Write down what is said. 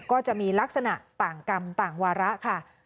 ก็จะมีลักษณะต่างกรรมต่างวาระค่ะ